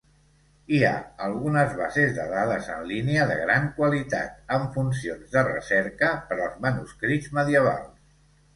Hi ha algunes bases de dades en línia de gran qualitat amb funcions de recerca per als manuscrits medievals.